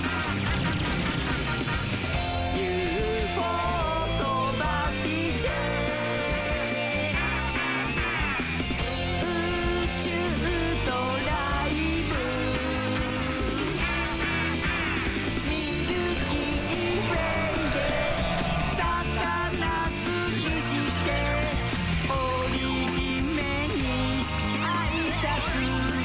「」「ユーフォーとばして」「」「うちゅうドライブ」「」「ミルキーウェイでさかなつりして」「おりひめにあいさつ」